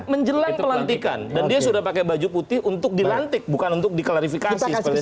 menjelang pelantikan dan dia sudah pakai baju putih untuk dilantik bukan untuk diklarifikasi seperti itu